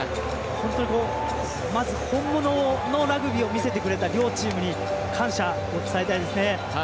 本当にまず本物のラグビーを見せてくれた両チームに感謝を伝えたいですね。